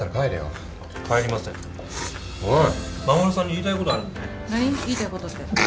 言いたいことって。